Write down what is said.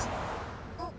あっ。